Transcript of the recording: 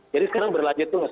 jadi sekarang berlanjut terus